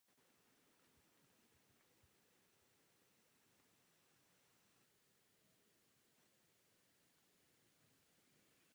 Do vody také začali přidávat určitá množství vápence a kyseliny sírové.